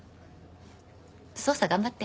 捜査頑張って。